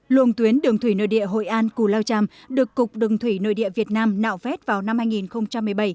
luồng tuyến đường thủy nội địa hội an cù lao tràm được cục đường thủy nội địa việt nam nạo vét vào năm hai nghìn một mươi bảy